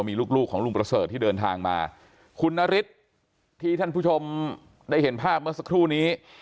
มีลูกลูกของลุงประเสริฐที่เดินทางมาคุณนฤทธิ์ที่ท่านผู้ชมได้เห็นภาพเมื่อสักครู่นี้